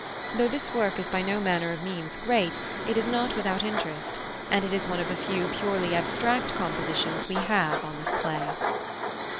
Though this work is by no manner of means great, it is not without interest, and it is one of the few purely abstract compositions we have on this play.